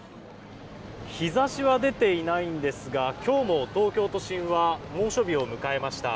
日差しは出ていないんですが今日も東京都心は猛暑日を迎えました。